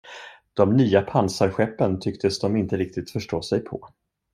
De nya pansarskeppen tycktes de inte riktigt förstå sig på.